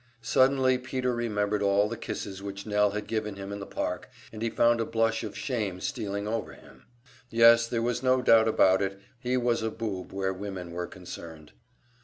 Suddenly Peter remembered all the kisses which Nell had given him in the park, and he found a blush of shame stealing over him. Yes, there was no doubt about it, he was a boob where women were concerned!